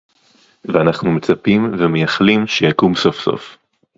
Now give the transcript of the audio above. ואנחנו מצפים ומייחלים שיקום סוף-סוף